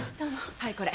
はいこれ。